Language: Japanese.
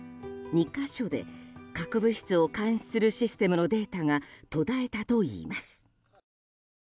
２か所で核物質を監視するシステムのデータが途絶えたといいます。